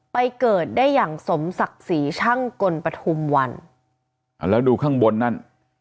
เกิดได้อย่างสมศักดิ์ศรีช่างกลปฐุมวันอ่าแล้วดูข้างบนนั่น